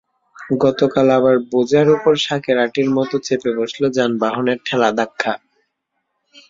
গতকাল আবার বোঝার ওপর শাকের আঁটির মতো চেপে বসল যানবাহনের ঠেলা-ধাক্কা।